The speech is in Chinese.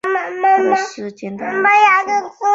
他的诗简短而精深。